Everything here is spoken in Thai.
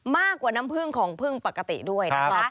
มากกว่าน้ำพึ่งของพึ่งปกติด้วยนะคะ